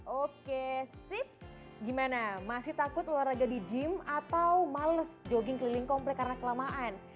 oke sip gimana masih takut olahraga di gym atau males jogging keliling komplek karena kelamaan